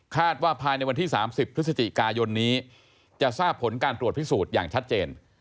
ว่าภายในวันที่๓๐พฤศจิกายนนี้จะทราบผลการตรวจพิสูจน์อย่างชัดเจน